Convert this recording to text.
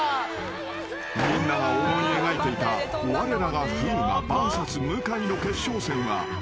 ［みんなが思い描いていたわれらが風磨ＶＳ向井の決勝戦は夢と消えた］